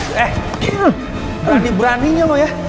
berani beraninya lo ya